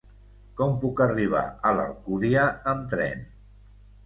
Com puc arribar a Alcúdia amb tren?